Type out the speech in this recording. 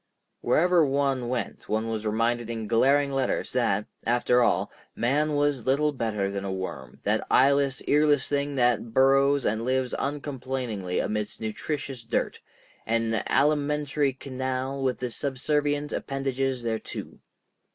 Wherever one went one was reminded in glaring letters that, after all, man was little better than a worm, that eyeless, earless thing that burrows and lives uncomplainingly amidst nutritious dirt, "an alimentary canal with the subservient appendages thereto."